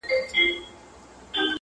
او دا دومره مصارف اخر د څه لپاره